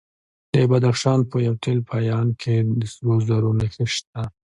د بدخشان په یفتل پایان کې د سرو زرو نښې شته.